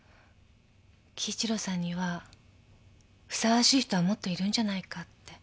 輝一郎さんにはふさわしい人はもっといるんじゃないかって。